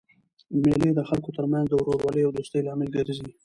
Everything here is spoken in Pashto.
مېلې د خلکو ترمنځ د ورورولۍ او دوستۍ لامل ګرځي.